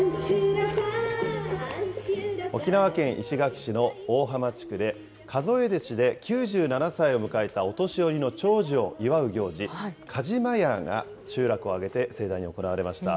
沖縄県石垣市の大浜地区で、数え年で９７歳を迎えたお年寄りの長寿を祝う行事、カジマヤーが集落を挙げて盛大に行われました。